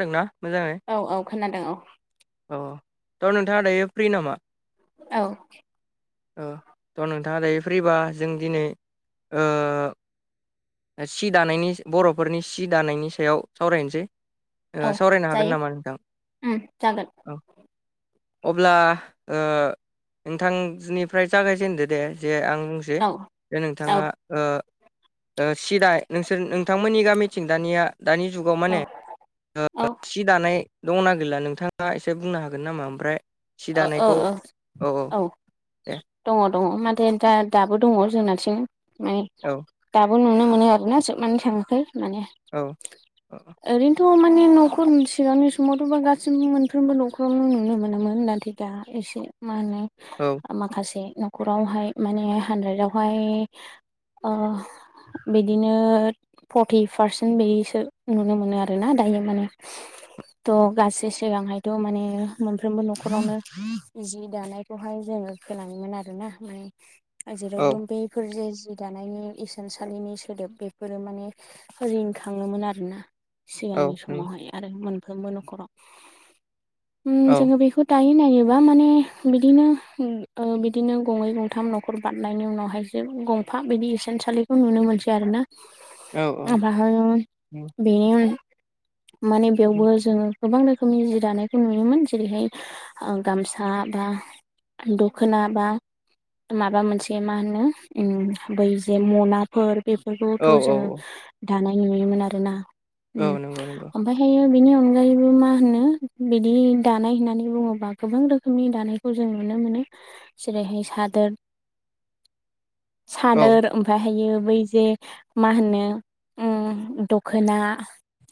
जादोंना मोजाङै? औ औ खोनादों औ। अ थ' नोंथाङा दायो फ्रि नामा? औ। ओ थ' नोंथाङा दायो फ्रिबा जों दिनै ओ ओ सि दानायनि बर'फोरनि सि दानायनि सायाव सावरायनोसै। ओ औ सावरायनो हागोन जायो नामा नोंथां उम जागोन। औ। अब्ला ओ नोंथांजोनिफ्राय जागायजेनदो दे जे आं जे औ जे औ नोंथाङा ओ ओ सिदाय नोंसोर नोंथांमोननि गामिथिं दानिया दानि जुगाव औ माने ओ सि दानाय दंना गैला नोंथां। आ एसे बुंनो हागोन नामा ओमफ्राय सि अ अ दानायखौ अ औ। दे दङ दङ माथे दा दाबो दङ जोंनाथिं औ दाबो नुनो मोनो आरोना जोबनानै थाङाखै माने। औ औ ओरैनोथ' माने न'खर सिगांनि समावथ' गासैबो मोनफ्रोमबो न'खरावनो नुनो मोनोमोन दा बिदि दा एसे मा होनो औ माखासे न'खरावहाय माने हानद्रेदावहाय ओ बिदिनो फर्टि पारसेन्ट बेदिसो नुनो मोनो आरोना दायो माने। थ' गासै सिगांहायथ' माने मोनफ्रोमबो न'खर रावनो जि दानायखौहाय जोङो खोनायोमोन आरो ना माने औ जेरावबो बैफोर जे जि दानायनि इसानसालिनि सोदोब बेफोरो माने रिंखाङोमोन आरोना। औ सिगांनि नंगौ समावहाय आरो मोनफ्रोमबो न'खराव ओम औ जोङो बेखौ दायो नायोब्ला माने बिदिनो ओ बिदिनो गंनै गंथाम न'खर बारनायनि उनावहाय जों गंफा बिदि इसानसालिखौ नुनो मोनसै आरो ना। औ औ ओमफ्रायहायो नंगौ बिनि माने बेयावबो जोङो गोबां रोखोमनि जि दानायखौ नुयोमोन जेरैहाय ओ गामसा बा दख'ना बा माबा मोनसे मा होनो ओम बै जे मनाफोर औ बेफोरखौथ' औ जोङो औ दानाय नुयोमोन आरोना औ ओम नंगौ नंगौ ओमफ्रायहायो बिनि अनगायैबो मा होनो बिदि दानाय होननानै बुङोबा गोबां रोखोमनि दानायखौ जों नुनो मोनो जेरैहाय सादोर [inaudible] औ सादोर ओमफायहायै बै जे मा होनो ओम दख'ना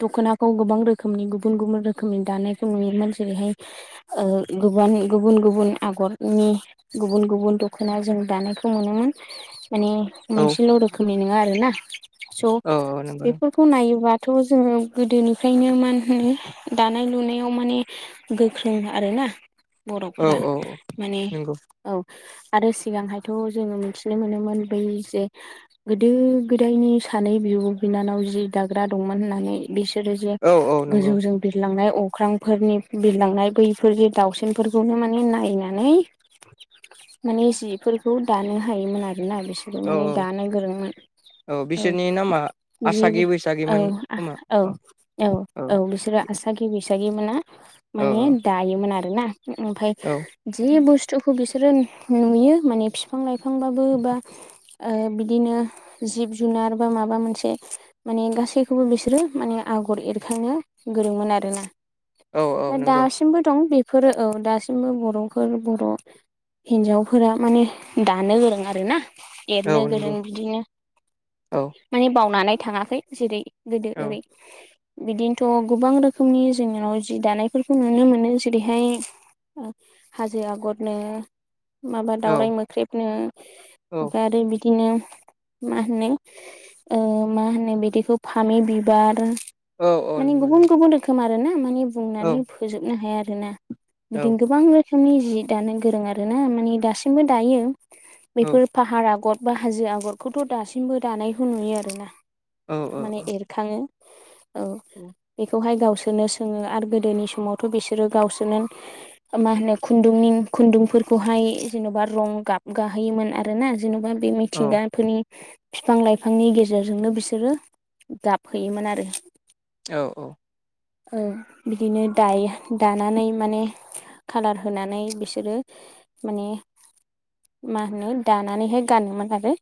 दख'नाखौ गोबां रोखोमनि गुबुन गुबुन रोखोमनि दानायखौ नुयोमोन जेरैहाय ओ गोबानि गुबुन गुबुन आगरनि गुबुन गुबुन दख'ना जों दानायखौ मोनोमोन माने औ मोनसेल' रोखोमनि नङा आरो ना औ औ स' नंगौ बे नंगौ फोरखौ नायोबाथ' जोङो गोदोनिफ्रायनो मा होनो दानाय लुनायाव माने गोख्रों आरोना औ बर'फोरा औ माने नंगौ औ आरो सिगांहायथ' जोङो मिथिनो मोनोमोन बै जे गोदो गोदायनि सानै बिब' बिनानाव जि दाग्रा दंमोन होननानै। बिसोरो जे औ औ नंगौ गोजौजों बिरलांनाय अख्रांफोरनि बिरलांनाय बैफोर जे दाउसेनफोरखौनो माने नायनानै माने जिफोरखौ दानो हायोमोन आरोना बिसोरो औ माने औ दानो गोरोंमोन। औ बिसोरनि नामा आसागि जेबो औ बैसागिमोन खोमा औ औ औ बिसोरा आसागि बैसागिमोना औ माने दायोमोन आरो ना ओमफ्राय औ जि बुस्थुखौ बिसोरो नुयो माने बिफां लाइफांबाबो बा आरो बिदिनो जिब जुनार बा माबा मोनसे माने गासैखौबो बिसोरो माने आगर एरखांनो गोरोंमोन आरोना। औ दा औ नंगौ दासिमबो दं बेफोरो औ दासिमबो बर'फोर बर' हिनजावफोरा माने दानो गोरों आरोना। औ एरनो गोरों नंगौ बिदिनो औ माने बावनानै थाङाखै जेरै गोदो औ ओरै बिदिनोथ' गोबां रोखोमनि जोंनियाव जि दानायफोरखौ नुनो मोनो। जेरैहाय हाजो आगरनो माबा औ दाावराइ मोख्रेबनो औ ओमफ्राय आरो बिदि नो मा होनो मा होनो बिदिखौ फामि बिबार औ औ माने नंगौ गुबुन नंगौ गुबुन रोखोम आरो ना माने बुंनानै औ फोजोबनो हाया आरोना औ बिदिनो गोबां रोखोमनि जि दानो गोरों आरोना माने दासिमबो दायो औ बेफोर फाहार आगर बा हाजो आगरखौथ' दासिमबो दानायखौ नुयो आरोना औ औ माने एरखाङो औ बेखौहाय गावसोरो सोङो आरो गोदोनि समावथ' बिसोरो गावसोरनो मा होनो खुन्दुंनि खुन्दुंफोरखौहाय जेन'बा रं गाब गाहोयोमोन आर ना जेन'बा बे मिथिंगाफोरनि बिफां लाइफांनि गेजेरजोंनो बिसोरो गाबहयोमोन आरो औ औ बिदिनो दायो दानानै माने खाालार होनानै बिसोरो माने मा होनो दानानैहाय गाननोन आरो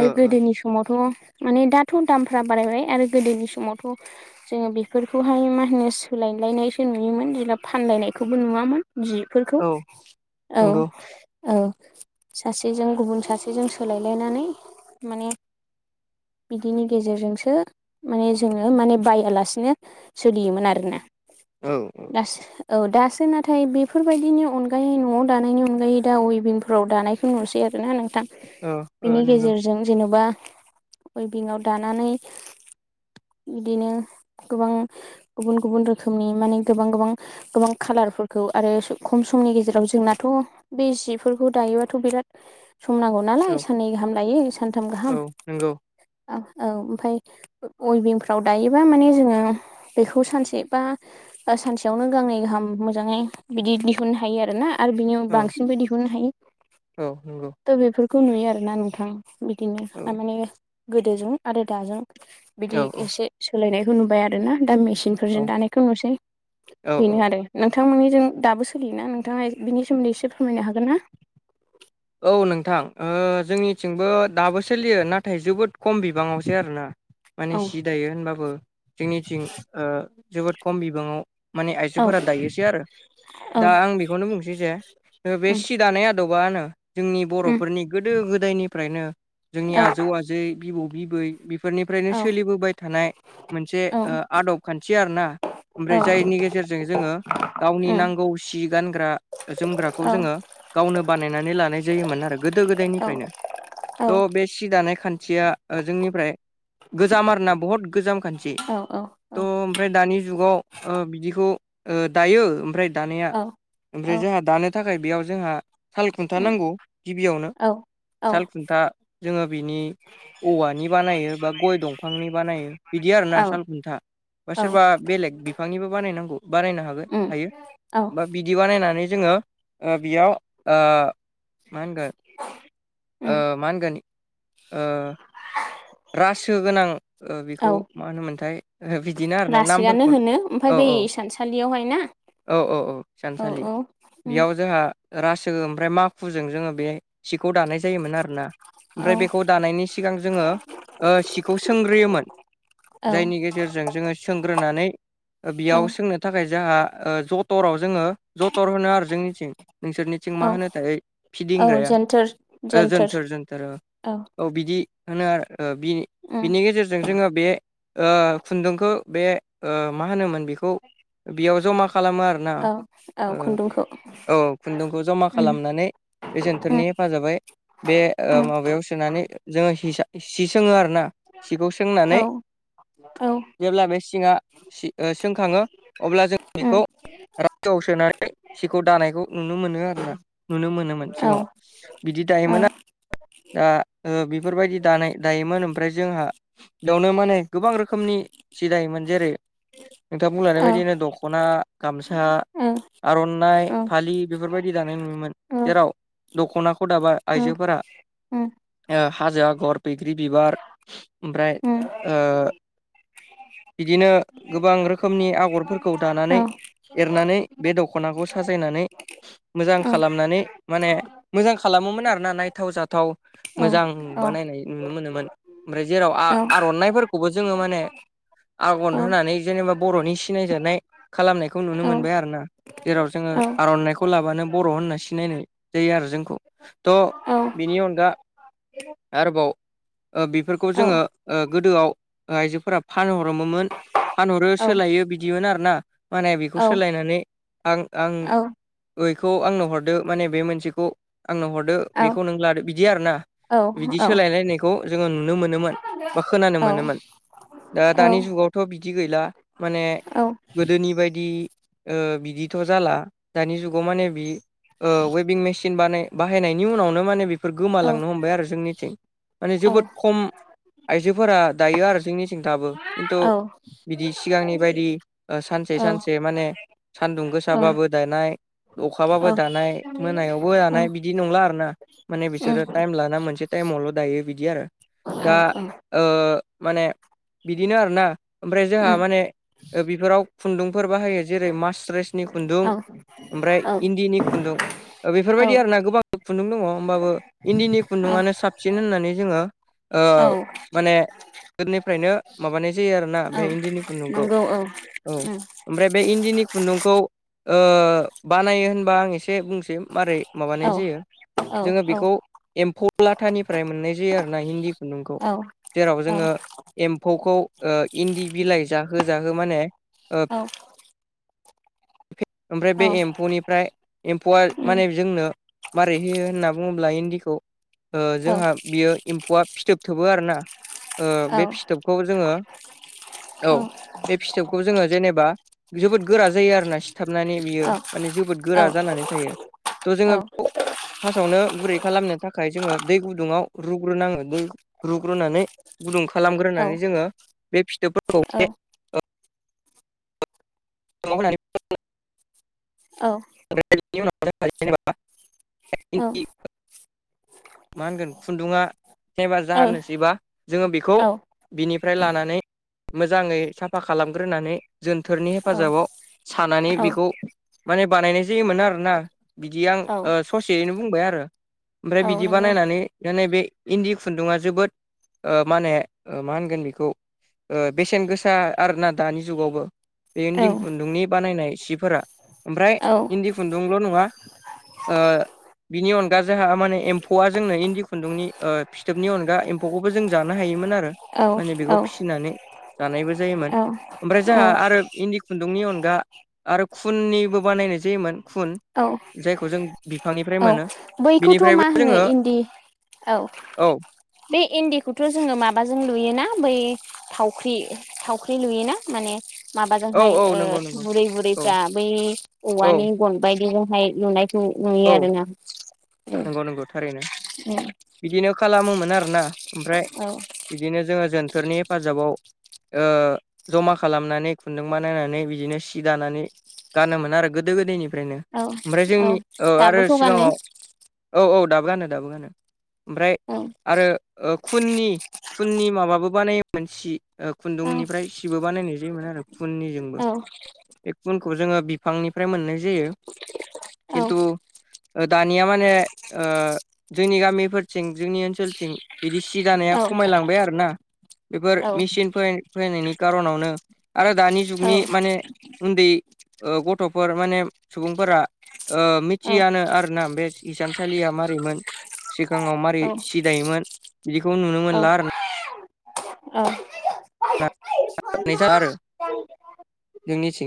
आरो औ औ गोदोनि सम समावथ' माने दाथ' दामफ्रा बारायबाय आरो गोदोनि समावथ' जोङो बेफोरखौहाय मा होनो सोलायलायनाय जों नुयोमोन जेब्ला फानलायनायखौबो नुवामोन जिफोरखौ नंगौ औ सासेजों गुबुन सासेजों सोलायलायनानै माने बिदिनि गेजेरजोंसो माने जोङो माने बायालासिनो सोलियोमोन आरोना औ दो औ दासो नाथाय बेफोरबायदिनि अनगायै न'आव दानायनि अनगायै दा उइभिंफोराव दानाय बुंहरसै आरोना नोंथां औ औ बिनि नंगौ गेजेरजों जेन'बा उइभिंबिंआव दानानै बिदिनो गोबां गुबुन गुबुन रोखोमनि माने गोबां गोबां गोबां खालारफोरखौ आरो खम समनि गेजेराव जोंनाथ' बे जिफोरखौ दायोबाथ' बिराद सम नांगौ औ नालाय साननै गाहाम लायो सानथाम गाहाम औ नंगौ औ ओमफफ्राय अइभिंफ्राव दायोबा माने जोङो बेखौ सानसे बा सानसेयावनो गांनै गाहाम मोजाङै बिदि दिहुननो हायो आरो ना आरो बिनियाव औ बांसिनबो दिहुननो हायो औ नंगौ थ' बेफोरखौ नुयो आरोना नोंथां बिदिनो औ थारमाने गोदोजों आरो दाजों औ बिदि एसे सोलायनायखौ नुबाय आरो ना दा औ मेचिनफोरजों दानायखौ नुसै बेनो औ आरो नोंथांमोननिजों दाबो सोलियोना नोंथाङा बिनि सोमोन्दै एसे फोरमायनो हागोन ना औ नोंथां जोंनिथिंबो दाबो सोलियो नाथाय जोबोद खम बिबाङावसो आरोना माने औ सि दायो होनबाबो जोंनिथिं जोबोद खम बिबाङाव माने औ आइजोफोरा दायोसै आरो औ दा आं बेखौ बेखौनो बुंनोसै जे बे उम सि दानाय आदबानो जोंनि उम बर'फोरनि गोदो गोदायनि फ्रायनो जोंनि औ आजौ आजै बिबौ बिबै बेफोरनिफ्रायनो औ सोलिबोबाय थानाय मोनसे औ आदब खान्थि आरोना ओमफ्राय जायनि गेजेरजों जोङो गावनि उम नांगौ सि गानग्रा जोमग्राखौ औ जोङो गावनो बानायनानै लानाय जायोमोन आरो गोदो गोदाय औ फ्रायनो थबे सि दानाय खान्थिया जोंनिफ्राय गोजाम आरोना बहुत गोजाम खान्थि औ थ' ओमफ्राय दानि जुगाव बिदिखौ दायो ओमफ्राय दानाया औ औ ओमफ्राय जोंहा दानो थाखाय बेयाव जोंहा सालखुन्था उम नांगौ गिबियावनो औ औ साल खुन्था जोङो बिनि औवानि बानायो बा गय दंफांनि बानायो बिदि आरोना औ साल खुन्था बा सोरबा बेलेग बिफांनिबो बानायनांगौ बानायनो हागोन उम हायो औ बा बि बिदि बानायनानै जोङो बेयाव मा होनगोन उम मा होनगोन रासो गोनां ओ औ बिखौ मा होनोमोनथाय ओ बिदिनो आरो ना नामफोर नो होनो ओमफाय बे इसान सालिआवहाय औ औ औ सानसालि उम बेयाव जोंहा रासो ओमफ्राय माखुजों जोङो बे सिखौ दानाय जायोमोन आरोना। औ ओमफ्राय बेखौ दानायनि सिगां जोङो ओ सिखौ सोंग्रोयोमोन। औ जायनि गेजेरजों जोङो सोंग्रोनानै ओ बेयाव औ सोंनो थाखाय जाहा ओ जत'राव जोङो जत'र होनो आरो जोंनिथिं नोंसोरनिथिं मा औ होनो थाय? औ फिदिंग्राया जोनथोर ओ जोनथोर जोन्थोर जोन्थोर ओ औ बिदि होनो आरो ओ उम बि-बिनि गेजेर जों जोङो बे ओ खुन्दोंखो बे ओ मा होनोमोन बिखौ बियाव ज'मा खालामो आरोना औ औ ओ खुन्दुंखौ औ खुन्दुंखो ज'मा उम खालामनानै बे जोन्थोरनि उम हेफाजाबै बे ओ माबायाव सोनानै जोङो हिसा सि सोङो आरोना सिखौ सोंनानै औ औ जेब्ला बे सिंआ सि ओ सोंखाङो अब्ला जों उम बिखौ [unintelligible] सोआव सोनानै सिखौ दानायखौ नुनो मोनो आरोना नुनो मोनो। मोन औ सिगाङाव बिदि औ दायोमोन आर दा ओ बेफोरबायदि दानाय दायोमोन ओमफ्राय जोंहा बेयावनो माने गोबां रोखोमनि सि दायोमोन जेरै नोंथां बुंलानाय औ बायदिनो दख'ना गामसा आर'नाइ औ फालि बेफोरबायदि दानाय नुयोमोन जेराव दख'नाखौ दाबा औ उम आइजोफोरा उम ओ हाजो आगर बैग्रि बिबार ओमफ्राय औ ओ [inaudible] बिदिनो गोबां रोखोमनि आगरफोरखौ दानानै औ एरनानै बे दख दख'नाखौ साजायनानै मोजां खालामनानै माने मोजां खालामोमोन आरोना नाय थाव जाथाव औ औ मोजां औ औ बानायनाय नुनो मोनोमोन ओमफ्राय जेराव आ-आर'नाइफोरखौबो जोङो माने आगन औ होनानै जेनेबा बर'नि सिनायजानाय खालामनायखौ नुनो औ उम औ उम मोनबाय आरोना। जेराव जोङो औ आर'नाइखौ लाबानो बर' होनना सिनायनाय जायो आरो जोंखौ थ' बिनि अनगा आरोबाव ओ बिफोरखौ जोङो ओ गोदोआव ओ आइजोफोरा फानहरो मोमोन। फानहरो सोलायो बिदिमोन आरोना माने बेखौ औ सोलायनानै आं आं ओइखौ आंनो हरदो माने बे मोनसेखौ आंनो हरदो बेखौ नों लादो बिदि आरोना। बिदि सोलायलायनायखौ जोङो नुनो मोनोमोन बा खोनानो मोनोमोन। ओ दानि जुगावथ' बिदि गैला माने गोदोनि बायदि ओ बिदिथ' जाला दानि जुगाव माने बि ओ वेभिं मेसिन बानाय बाहायनायनि उनावनो माने बेफोर गोमालांनो हमबाय आरो जोंनिथि माने जोबोद खम आइजोफोरा दायो आरो जोंनिथि दाबो किन्तु बिदि सिगांनि बायदि ओ सानसे सानसे माने सानदुं गोसाबाबो दानाय अखाबाबो दानाय मोनायावबो दानाय बिदि नंला आरोना माने बिसोर टाइम लाना मोनसे टाइमावल' दायो बिदि आरो दा ओ माने बिदिनो आरोना ओमफ्राय जोंहा माने ओ बेफोराव खुन्दुं फोर बाहायो जेरै मास्रेसनि खुन्दुं ओमफ्राय इन्दिनि खुन्दुं ओ औ बेफोरबायदि आरोना गोबां खुन्दुं दङ होमबाबो इन्दिनि खुन्दुङानो साबसिन होननानै जोङो ओ औ माने दोननिफ्रायनो माबानाय जायो आरोना बे औ इन्दिनि खुन्दुंखौ। नंगौ औ औ उम ओमफ्राय बे इन्दिनि खुन्दुंखौ ओ बानायो होनबा आं एसे बुंसै सै मारै माबानाय औ जायो। औ जोङो औ बेखौ एम्फौलाथानिफ्राय मोननाय जायो आरोना इन्दि खुन्दुंखौ। औ जेराव औ नंगौ औ जोङो एम्फौखौ ओ इन्दि बिलाइ जाहो जाहो माने औ बे ओमफ्राय बे एम्फौनिफ्राय एम्फौआ माने जोंनो बियो होनना बुङोब्ला इन्दिखौ ओ जोंहा बियो एम्फौआ फिथोब थोबो आरोना। ओ बे फिथोबखौ जोङो औ बे फिथोबखौ जोङो जेनेबा जोबोद गोरा जायो आरो ना थोबनानै बियो माने जोबोद गोरा जानानै थायो थ' जोङो फासावनो गुरै खालामनो थाखाय जोङो दै गुदुङाव रुग्रोनङो दै रुग्रोनानै गुदुं खालामग्रोनानै जोङो बे फिथोबफोरखौ [unintelligible] औ। [unintelligible] मा होनगोन खुन्दुङा जेनबा जानोसैबा जोङो बेखौ बिनिफ्राय लानानै मोजाङै साफा खालामग्रोनानै जोनथोरनि हेफाजाबाव सानानै बेखौ माने बानायनाय जायोमोन आरोना बिदि आं ओ ससेयैनो बुंबाय आरो। ओमफ्राय बिदि बानायनानै दा नैबे इन्दि खुन्दुङा जोबोद ओ मा होने मा होनगोन बेखौ बेसेन गोसा आरोना दानि जुगावबो। बे इन्दि खुन्दुंनि बानायनाय सिफोरा ओमफ्राय इन्दि खुन्दुंल' नङा ओ बिनि अनगा जोंहा माने एम्फौआ जोंनो इन्दि खुन्दुंनि ओ फिथोबनि अनगा एम फौखौबो जों जानो हायोमोन आरो। औ औ माने बेखौ औ औ फिसिनानै जानायबो जायोमोन ओमफ्राय जोंहा आरो इन्दि खुन्दुंनि अनगा आरो खुननिबो बानायनाय जायोमोन खुन। जायखौ जों बिफांनिफ्राय मोनो। बैखौथ' बिनिफ्रायबो मा होनो जोङो इन्दि औ। औ बे इन्दिखौथ' जोङो माबाजों लुयोना बै थावख्रि थावख्रि लुयो ना माने औ माबाजोंहाय औ ओ नंगौ नंगौ बुरै औ बुरैफ्रा बै औ औवानि गन बायदिजोंहाय लुनाय खौ नुयो औ आरो ना। नंगौ नंगौ थारैनो बिदिनो खालामोमोन आरोना ओमफ्राय औ बिदिनो जोङो जोनथोरनि हेफाजाबाव ओ जमा खालामनानै खुन्दुं बानायनानै बिदिनो सि दानानै गानोमोन आरो गोदो गोदायनिफ्रायनो औ ओमफ्राय औ जोंनि औ आरो दाबोथ' गानो सिगाङाव औ औ दाबो गानो दाबो गानो ओमफ्राय औ। आरो खुननि खुननि माबाबो बानायमोन सि। ओ औ खुन्दुंनिफ्राय सिबो बानायनाय जायोमोन आरो खुननिजोंबो। औ। बे गुनखौ जोङो बिफांनिफ्राय मोननाय जायो। औ खिन्थु ओ दानिया माने होनो ओ जोंनि गामिफोरथिं जोंनि ओनसोलथिं बिदि सि औ दानाया खमायलांबाय आरो ना। बेफोर औ मेचिन फै फैनायनि खार'नावनो आरो दानि जुगनि माने उन्दै गथ'फोर माने सुबुंफोरा ओ मिथियानो आरोना बेसानसालिया मारैमोन। सिगाङाव मारै सि दायोमोन बिदिखौ नुनो मोनला आरो ना ओं। [unintelligible] औ जोंनि थिं